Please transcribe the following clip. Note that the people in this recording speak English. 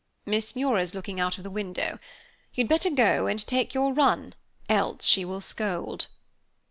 "Miss Muir is looking out of the window. You'd better go and take your run, else she will scold."